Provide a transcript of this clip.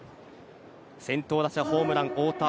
先頭打者ホームラン、太田。